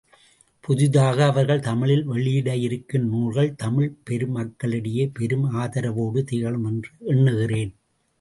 புதிதாக அவர்கள் தமிழில் வெளியிட இருக்கும் நூல்கள் தமிழ்ப் பெருமக்களிடையே பெரும் ஆதரவோடு திகழும் என்று எண்ணுகிறேன்.